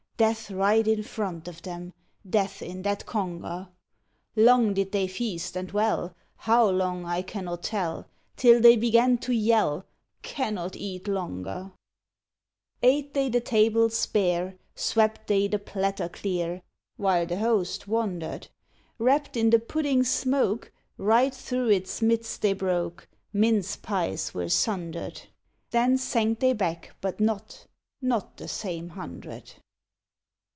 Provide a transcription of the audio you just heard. Death right in front of them. Death in that conger ! Long did they feast, and well, How long I cannot tell. Till they began to yell, " Cannot eat longer !" Ate they the tables bare. Swept they the platter clear. While the host wondered. Wrapped in the pudding's smoke, Right through its midst they broke, Mince pies were sundered ! Then sank they back ; but not — Not the same hundred.